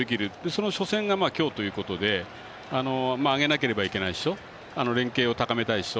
その初戦が今日ということで上げなければいけないでしょ連係を高めたい人。